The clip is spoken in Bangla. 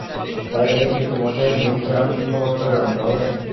তাই বলে কী তোমাকে নিউজ চ্যানেল খবরটা জানাতে হবে?